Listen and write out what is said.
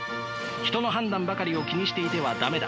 人の判断ばかりを気にしていては駄目だ。